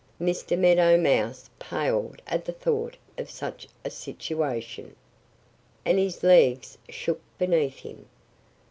Mr. Meadow Mouse paled at the thought of such a situation. And his legs shook beneath him.